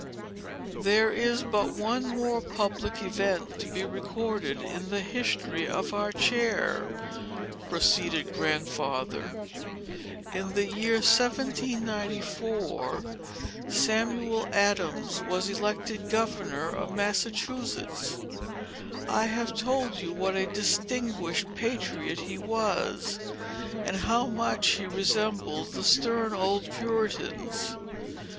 "There is but one more public event to be recorded in the history of our chair," proceeded Grandfather. "In the year 1794, Samuel Adams was elected governor of Massachusetts. I have told you what a distinguished patriot he was, and how much he resembled the stern old Puritans.